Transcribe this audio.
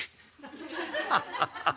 「ハハハハ！